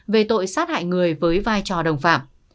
về tội sát hại người với vai trò đồng phạm